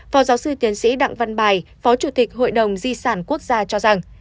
phó giáo sư tiến sĩ đặng văn bài phó chủ tịch hội đồng di sản quốc gia cho rằng